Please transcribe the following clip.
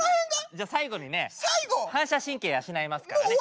じゃあ最後にね反射神経養いますからね。